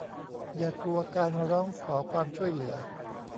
อย่ากลัวการร้องขอความช่วยเหลือ